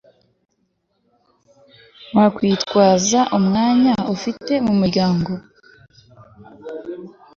wakwitwaza umwanya afite mu muryango ngo